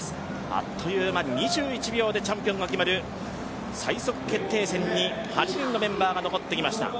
あっという間に２１秒でチャンピオンが決まる最速決定戦に８人のメンバーが残ってきました。